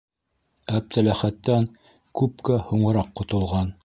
Әптеләхәттән күпкә һуңыраҡ ҡотолған.